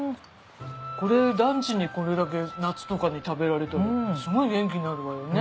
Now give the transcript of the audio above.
ランチにこれだけ夏とかに食べられたらすごい元気になるわよね。